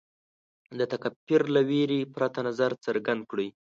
د تکفیر له وېرې پرته نظر څرګند کړي